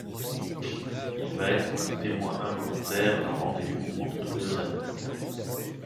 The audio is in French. Il va être le témoin involontaire d’un rendez-vous entre deux amoureux.